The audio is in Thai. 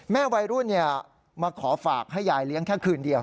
วัยรุ่นมาขอฝากให้ยายเลี้ยงแค่คืนเดียว